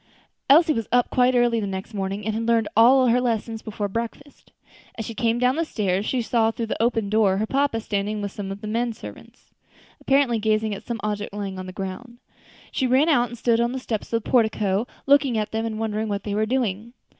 Elsie was up quite early the next morning and had learned all her lessons before breakfast. As she came down the stairs she saw, through the open door, her papa standing with some of the men servants, apparently gazing at some object lying on the ground. She ran out and stood on the steps of the portico, looking at them and wondering what they were doing.